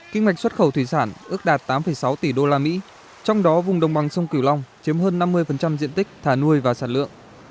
kinh mạch xuất khẩu thủy sản ước đạt tám sáu tỷ usd trong đó vùng đồng bằng sông cửu long chiếm hơn năm mươi diện tích thả nuôi và sản lượng